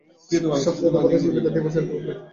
সহস্র পদস্খলনের ভেতর দিয়েই চরিত্র গড়ে তুলতে হবে।